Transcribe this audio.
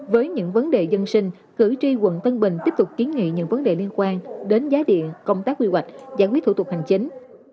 với những vấn đề dân sinh cử tri quận tân bình tiếp tục kiến nghị những vấn đề liên quan đến giá điện công tác quy hoạch giải quyết thủ tục hành chính